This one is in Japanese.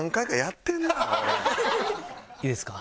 いいですか？